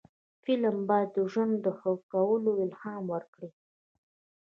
فلم باید د ژوند د ښه کولو الهام ورکړي